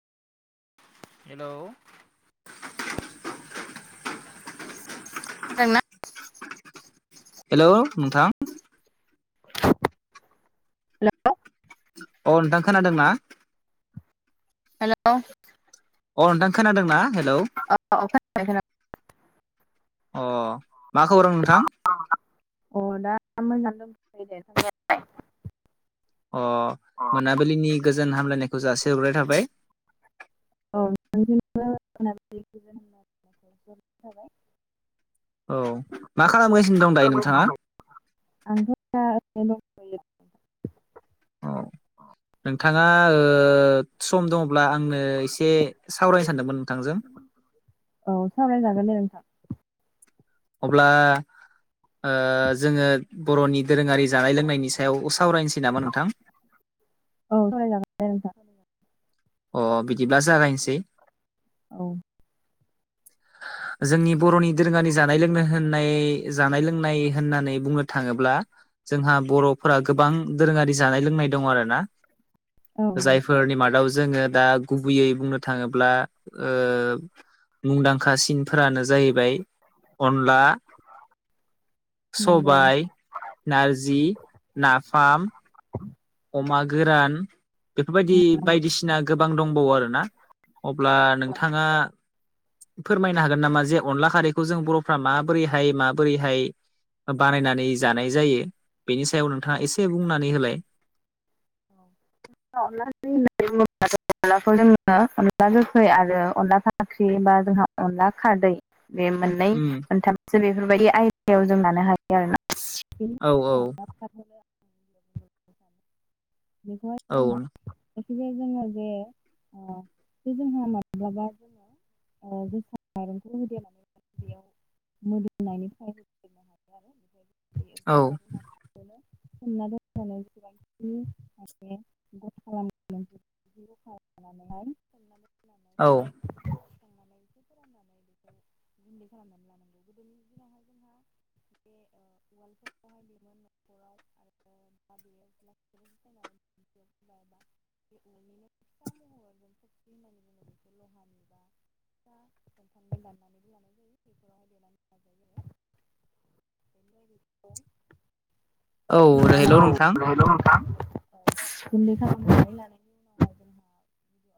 Hello [unintelligible] hello नोंथां hello अ नोंथां खोनादोंना? हेलौ अ नोंथां खोनादों ना हेलौ [unintelligible] अ मा खौरां नोंथां? अ दा मोजांनो दोंथ'यो दे [unintelligible] अ मोनाबिलिनि गोजोन हामलायनायखौ जासि हरग्रोनाय थाबाय। औ नोंथांनिसिमबो [unintelligible] औ मा खालामगासिनो दं दायो नोंथाङा? आंथ' दा ओरैनो दं। औ नोंथाङा ओ सम दङब्ला आंनो इसे सावरायनो सानदोंमोन नोंथांजों औ सावरायजागोन दे नोंथां। अब्ला ओ जोङो बर'नि दोरोङारि जानाय लोंनायनि सायाव सावरायनोसै नामा नोंथां? औ सावराय जागोन। [unintelligible] नोंथां अ बिदिब्ला जागायनिसै औ [inaudible] जोंनि बर'नि दोरोङानि जानाय लोंनो होननाय जानाय लोंनाय होननानै बुंनो थाङोब्ला जोंहा बर'फोरा गोबां दोरोङारि जानाय लोंनाय दङ आरो ना? नंगौ जायफोरनि मादाव जोङो दा गुबैयै बुंनो थाङोब्ला ओ मुंदां खा सिनफोरानो जाहैबाय अनला नंगौ सबाय नारजि नाफाम अमा गोरान बेफोरबायदि नंगौ बायदिसिना गोबां दंबावो आरोना? अब्ला नोंथाङा फोरमायनो हागोन नामा जे अनला खारैखौ जों बर'फ्रा माबोरैहाय माबोरैहाय बानायनानै जानाय जायो बेनि सायाव नोंथाङा एसे बुंनानै होलाय। [inaudible] [unintelligible] अनलाखौ जोङो अनला गोखै आरो अनला फाख्रि बा जोंहा अनला खारदै बे मोननै उम मोनथामसो बेफोरबायदि आयदायाव जों लानो हाय आरोना औ औ [unintelligible] बेखौ हाय औ [unintelligible] जोङो जे ओ जे जोंहा माब्लाबा ओ जोसा माइरंखौ होदेरनानै बेयाव [unintelligible] ओंखाम ज औ हना दनानैसेबां [unintelligible] औ फोराननानै बेखौ गुन्दै खालामनानै लानांगौ गोदोनि दिनावहाय जोंहा बे ओ उवालहाय देयोमोन नखराव आरो बेयो [unintelligible] बे अरनिनो फिसा महराव जों थखि होननानै जोङो बेखौ लहा नबा फ खन्थामबो दाननानैबो लानाय जायो बेफोरावहाय देनानै औ हेलौ होनायो नोंथां आरो [unintelligible] गन्दै खालामनानै लानाय